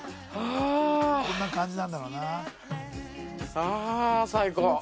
「こんな感じなんだろうな」